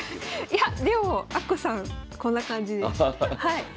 いやでもあっこさんこんな感じです。